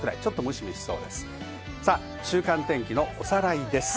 週間天気のおさらいです。